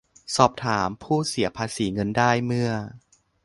สอบถามผู้เสียภาษีเงินได้เมื่อ